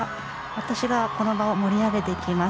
私がこの場を盛り上げていきます。